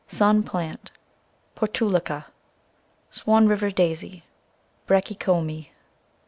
Sun Plant, <( Portulaca, Swan River Daisy, C( Br achy come.